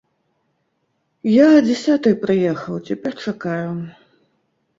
Я а дзясятай прыехаў, цяпер чакаю.